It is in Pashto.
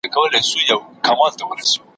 ژوند به جهاني پر ورکه لار درڅخه وړی وي ,